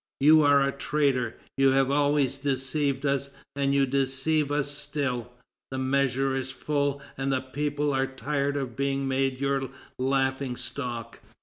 You are a traitor. You have always deceived us, and you deceive us still; the measure is full, and the people are tired of being made your laughing stock."